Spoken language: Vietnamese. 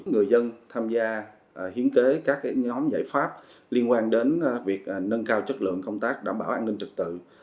người dân tham gia hiến kế các nhóm giải pháp liên quan đến việc nâng cao chất lượng công tác đảm bảo an ninh trực tự